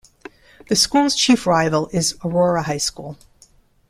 The school's chief rival is Aurora High School.